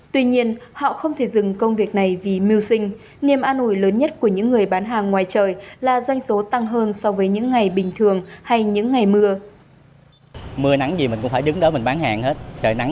tuy nhiên họ không thể tự nhiên tự nhiên tự nhiên tự nhiên tự nhiên